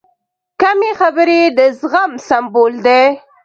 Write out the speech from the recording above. کمې خبرې، د زغم سمبول دی.